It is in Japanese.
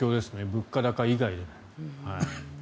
物価高以外でも。